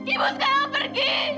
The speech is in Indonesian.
ibu sekarang pergi